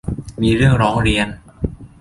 มีเรื่องร้องเรียน